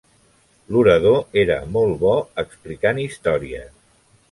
L'orador era molt bo explicant històries.